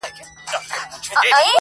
چي مات سې، مړ سې تر راتلونکي زمانې پوري.